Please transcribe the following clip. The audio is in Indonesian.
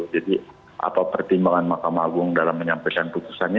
jadi apa pertimbangan mahkamah agung dalam menyampaikan putusannya